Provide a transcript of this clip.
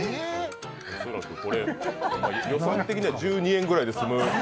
恐らくこれ、予算的には１２円ぐらいで済む